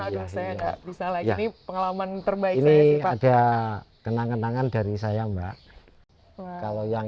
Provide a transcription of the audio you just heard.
aduh saya nggak bisa lagi pengalaman terbaik ini ada kenangan kenangan dari saya mbak kalau yang